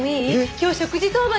今日食事当番なの。